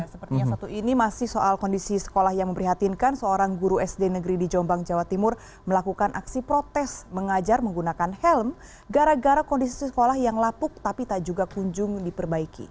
seperti yang satu ini masih soal kondisi sekolah yang memprihatinkan seorang guru sd negeri di jombang jawa timur melakukan aksi protes mengajar menggunakan helm gara gara kondisi sekolah yang lapuk tapi tak juga kunjung diperbaiki